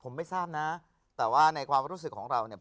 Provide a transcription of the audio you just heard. ผมไม่ทราบนะแต่ว่าในความรู้สึกของเราเนี่ย